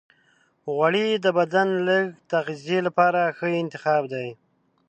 غوړې د بدن د لږ تغذیې لپاره ښه انتخاب دی.